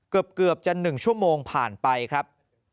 เกือบจะ๑ชั่วโมงผ่านไปครับ